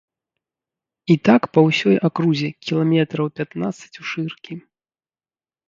І так па ўсёй акрузе кіламетраў пятнаццаць ушыркі.